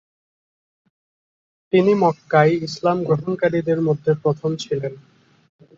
তিনি মক্কায় ইসলাম গ্রহণকারীদের মধ্যে প্রথম ছিলেন।